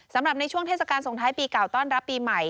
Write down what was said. สำหรับในช่วงเทศกาลส่งท้ายปีเก่าต้อนรับปีใหม่